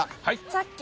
さっき。